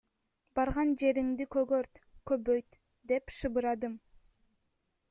Барган жериңди көгөрт, көбөйт деп шыбырадым.